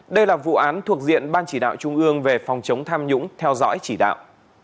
đây là vụ án thuộc diện ban chỉ đạo trung ương về phòng chống tham nhũng theo dõi chỉ đạo